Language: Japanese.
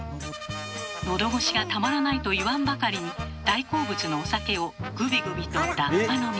のどごしがたまらないと言わんばかりに大好物のお酒をグビグビとラッパ飲み。